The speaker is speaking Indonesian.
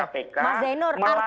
mas zainur artinya